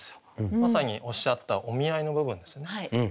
まさにおっしゃった「お見合い」の部分ですよね。